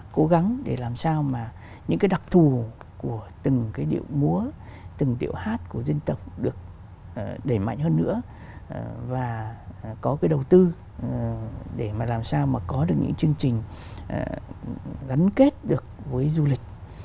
cố gắng để làm sao mà những cái đặc thù của từng cái điệu múa từng điệu hát của dân tộc được đẩy mạnh hơn nữa và có cái đầu tư để mà làm sao mà có được những chương trình gắn kết được với du lịch